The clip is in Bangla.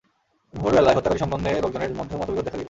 ভোর বেলায় হত্যাকারী সম্বন্ধে লোকজনের মধ্যে মতবিরোধ দেখা দিল।